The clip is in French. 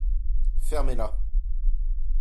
Fermez-la.